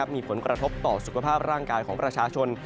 มีผลกระทบต่อสุขภาพร่างกายของประชาชน